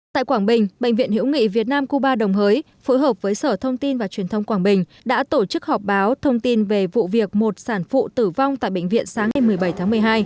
tại quảng bình bệnh viện hữu nghị việt nam cuba đồng hới phối hợp với sở thông tin và truyền thông quảng bình đã tổ chức họp báo thông tin về vụ việc một sản phụ tử vong tại bệnh viện sáng ngày một mươi bảy tháng một mươi hai